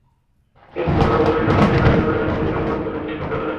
কিন্তু বরাবরই রণবীর দাবি করেছেন, তিনি সালমানকে অনেক বেশি শ্রদ্ধা করেন।